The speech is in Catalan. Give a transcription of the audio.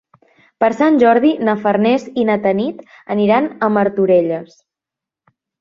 Per Sant Jordi na Farners i na Tanit aniran a Martorelles.